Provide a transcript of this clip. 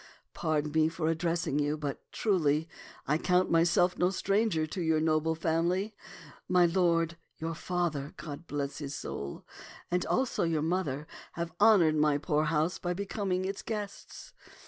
Pardon me for addressing you, but, truly, I count myself no stranger to your noble family. My lord, your father — God bless his soul !— and also your mother have honored my poor house by becom ing its guests.